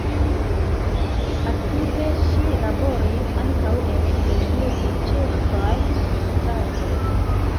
Aktive ŝi laboris ankaŭ en Eklezio de Ĉeĥaj Fratoj.